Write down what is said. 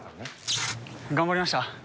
頑張りました。